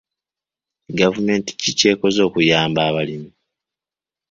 Gavumenti ki ky'ekoze okuyamba abalimi?